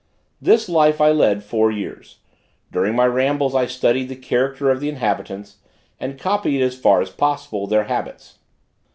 This life I led four years; during my rambles I studied the character of the inhabitants, and copied, as far as possible, their habits.